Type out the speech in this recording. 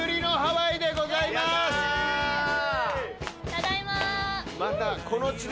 ただいま。